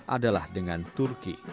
adalah dengan turki